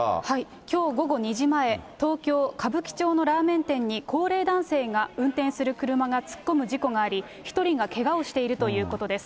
きょう午後２時前、東京・歌舞伎町のラーメン店に高齢男性が運転する車が突っ込む事故があり、１人がけがをしているということです。